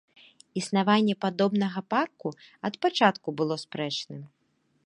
Існаванне падобнага парку ад пачатку было спрэчным.